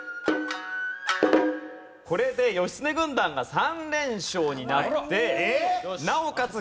これで義経軍団が３連勝になってなおかつ